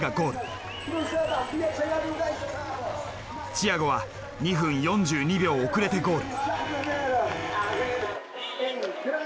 チアゴは２分４２秒遅れてゴール。